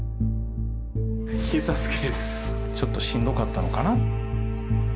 ちょっとしんどかったのかな。